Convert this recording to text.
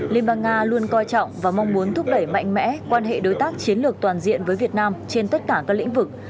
liên bang nga luôn coi trọng và mong muốn thúc đẩy mạnh mẽ quan hệ đối tác chiến lược toàn diện với việt nam trên tất cả các lĩnh vực